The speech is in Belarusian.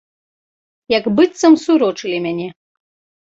Як быццам сурочылі мяне.